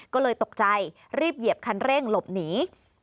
ก็เลยตกใจรีบเหยียบคันเร่งหลบหนี